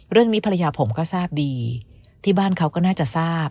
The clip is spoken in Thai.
เรื่องนี้ภรรยาผมก็ทราบดีที่บ้านเขาก็น่าจะทราบ